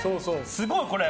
すごい、これ。